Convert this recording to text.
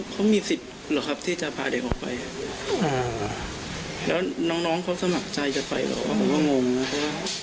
เขามีสิทธิ์เหรอครับที่จะพาเด็กออกไปแล้วน้องเขาสมัครใจจะไปหรือว่าก็งงนะ